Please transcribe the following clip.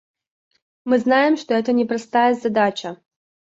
Мы знаем, что это непростая задача.